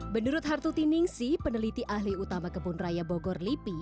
menurut hartuti ningsi peneliti ahli utama kebun raya bogor lipi